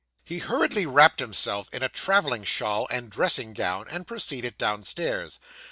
He hurriedly wrapped himself in a travelling shawl and dressing gown, and proceeded downstairs.